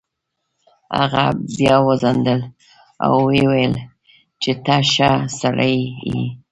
هغه بیا وخندل او ویې ویل چې ته ښه سړی یې.